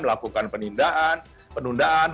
melakukan penindaan penundaan